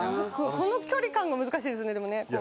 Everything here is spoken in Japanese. この距離感が難しいですねでもねこう。